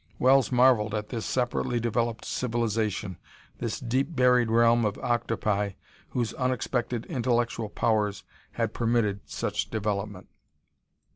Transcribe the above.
Wells marveled at this separately developed civilization, this deep buried realm of octopi whose unexpected intellectual powers had permitted such development.